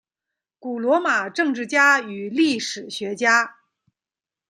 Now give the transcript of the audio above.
古罗马政治家与历史学家。